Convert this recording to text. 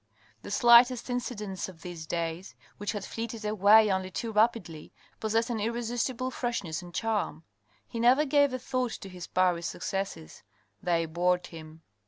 The slightest incidents of these days, which had fleeted away only too rapidly, possessed an irresistible freshness and charm. He never gave a thought to his Paris successes ; they bored him.